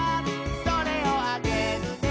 「それをあげるね」